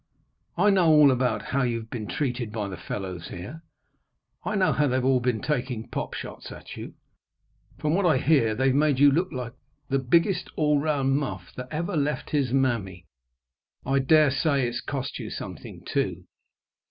I know all about how you've been treated by the fellows here. I know how they've all been taking pop shots at you. From what I hear they've made you look like the biggest all round muff that ever left his mammy. I daresay it's cost you something, too."